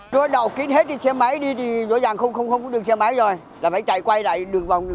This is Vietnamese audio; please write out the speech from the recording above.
nó thấy thoải mái khỏe hơn